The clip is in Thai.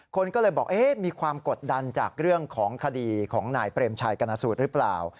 คนก็เลยบอกมีความกดดันจากเรื่องของคดีของนายเปรมชัยกรณสูตรหรือเปล่า